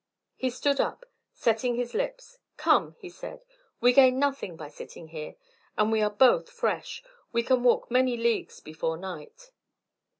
He stood up, setting his lips. "Come," he said. "We gain nothing by sitting here, and we are both fresh; we can walk many leagues before night."